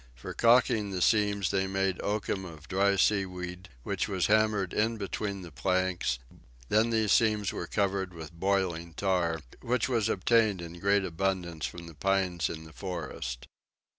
For calking the seams they made oakum of dry seaweed, which was hammered in between the planks; then these seams were covered with boiling tar, which was obtained in great abundance from the pines in the forest.